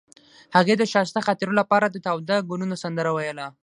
هغې د ښایسته خاطرو لپاره د تاوده ګلونه سندره ویله.